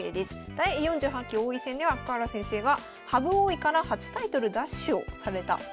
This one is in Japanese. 第４８期王位戦では深浦先生が羽生王位から初タイトル奪取をされた棋戦でございます。